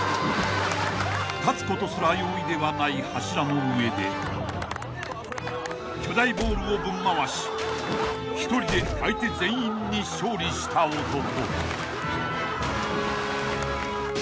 ［立つことすら容易ではない柱の上で巨大ボールをぶん回し１人で相手全員に勝利した男］